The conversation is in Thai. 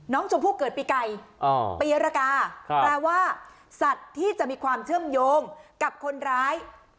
น้องชมพู่เกิดปีไก่ปีรกาแปลว่าสัตว์ที่จะมีความเชื่อมโยงกับคนร้าย